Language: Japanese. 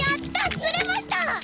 釣れました！